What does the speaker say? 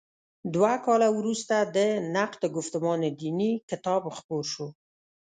دوه کاله وروسته د «نقد ګفتمان دیني» کتاب خپور شو.